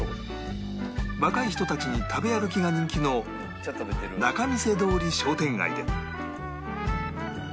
若い人たちに食べ歩きが人気の仲見世通り商店街で